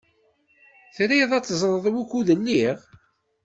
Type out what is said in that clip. Triḍ ad teẓṛeḍ wukud lliɣ?